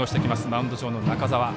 マウンド上の中澤。